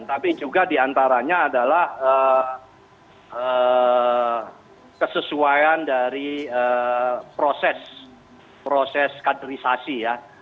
tapi juga diantaranya adalah kesesuaian dari proses kaderisasi ya